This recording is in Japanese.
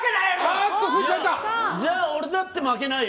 じゃあ俺だって負けないよ。